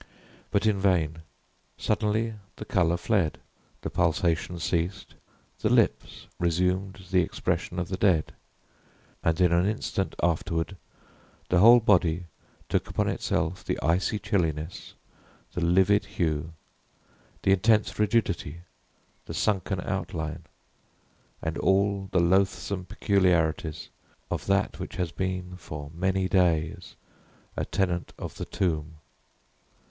But in vain. Suddenly, the color fled, the pulsation ceased, the lips resumed the expression of the dead, and, in an instant afterward, the whole body took upon itself the icy chilliness, the livid hue, the intense rigidity, the sunken outline, and all the loathsome peculiarities of that which has been, for many days, a tenant of the tomb.